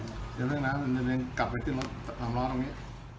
เดี๋ยวเรื่องน้ำมันจะเรียนกลับไปที่น้ำร้อนตรงนี้